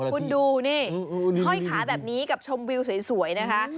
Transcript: คุณดูนี่ห้อยขาแบบนี้กับชมวิวสวยนะคะ